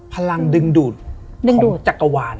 พลังดึงดูดของจักรวาล